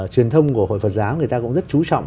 truyền thông của hội phật giáo người ta cũng rất chú trọng